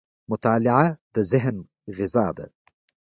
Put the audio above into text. • مطالعه د ذهن غذا ده.